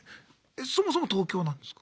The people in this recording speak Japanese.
そもそも東京なんですか？